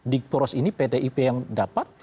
di poros ini pdip yang dapat